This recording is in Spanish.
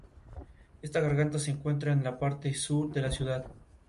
Los restos del frontón se encuentran en el Museo Arqueológico de Olimpia.